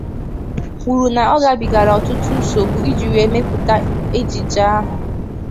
kwuru na o gabigara ọtụtụ nsogbu iji were mepụta ejije ahụ